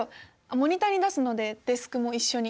モニターに出すのでデスクも一緒に。